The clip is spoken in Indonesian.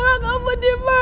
bella kamu dimana bella